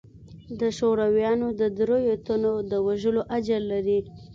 د شورويانو د درېو تنو د وژلو اجر لري.